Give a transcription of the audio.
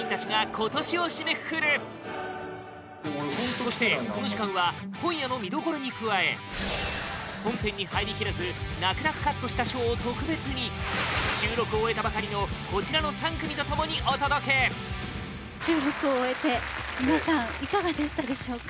そしてこの時間は今夜の見どころに加え本編に入りきらず泣く泣くカットした賞を特別に収録を終えたばかりのこちらの３組とともにお届け収録を終えて皆さんいかがでしたでしょうか？